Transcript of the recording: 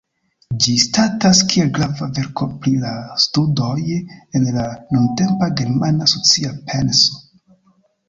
Ĝi statas kiel grava verko pri la studoj en la nuntempa germana socia penso.